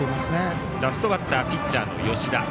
打席、ラストバッターピッチャーの吉田。